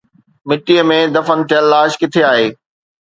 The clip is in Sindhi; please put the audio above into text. مٽيءَ ۾ دفن ٿيل لاش ڪٿي آهي؟